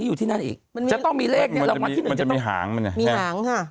อยู่ที่นั่นอีกจะต้องมีเลขเนี้ยมันจะมีหางมันเนี้ยมีหางค่ะ